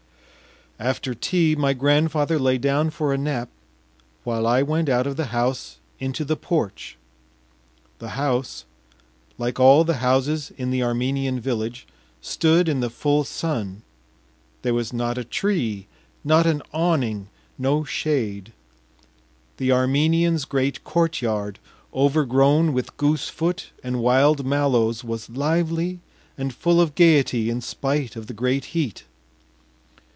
After tea my grandfather lay down for a nap while I went out of the house into the porch. The house, like all the houses in the Armenian village stood in the full sun; there was not a tree, not an awning, no shade. The Armenian’s great courtyard, overgrown with goosefoot and wild mallows, was lively and full of gaiety in spite of the great heat.